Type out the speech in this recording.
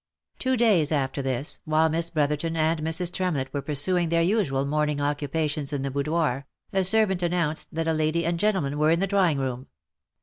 Two days after this, while Miss Brotherton and Mrs. Tremlett were pursuing their usual morning occupations in the boudoir, a servant an nounced that a lady and gentleman were in the drawing room.